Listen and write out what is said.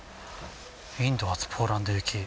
インド発ポーランド行き。